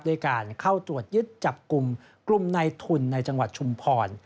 ด้วยการเข้าตรวจยึดจับกลุ่มกลุ่มในทุนในจังหวัดชุมพร